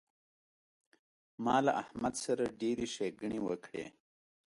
زه له احمد سره ډېرې ښېګڼې وکړې.